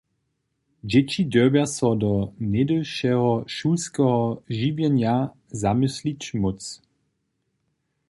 Dźěći dyrbja so do něhdyšeho šulskeho žiwjenja zamyslić móc.